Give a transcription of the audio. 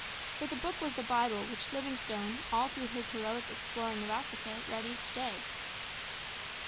For the book was the Bible which Livingstone all through his heroic exploring of Africa read each day.